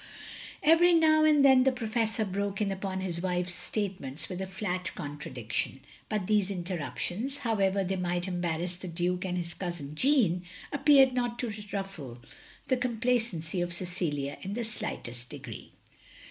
Every now and then the Professor broke in upon his wife's statements with a flat contradic tion ; but these interruptions, however they might embarrass the Duke and his cousin Jeanne, ap peared not to ruffle the complacency of Cecilia in the slightest degree.